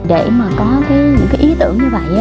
để mà có những cái ý tưởng như vậy